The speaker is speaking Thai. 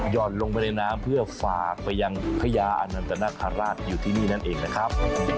่อนลงไปในน้ำเพื่อฝากไปยังพญาอนันตนาคาราชอยู่ที่นี่นั่นเองนะครับ